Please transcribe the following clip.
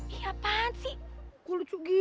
ih apaan sih gue lucu gini